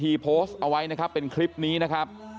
โพสต์เอาไว้นะครับเป็นคลิปนี้นะครับ